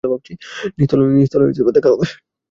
নিচতলায় দেখা হবে।